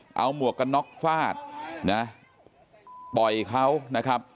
เอาหมวกกันน็อกฟาดนะต่อยเขานะครับ